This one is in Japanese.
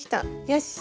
よし！